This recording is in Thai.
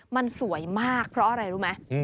มันสวยมากเพราะอะไรรู้ไหม